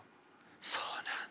えっそうなんだ。